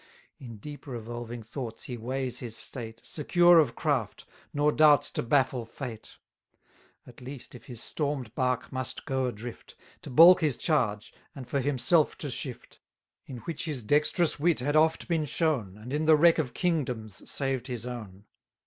In deep revolving thoughts he weighs his state, Secure of craft, nor doubts to baffle fate; At least, if his storm'd bark must go adrift, To balk his charge, and for himself to shift, 850 In which his dexterous wit had oft been shown, And in the wreck of kingdoms saved his own.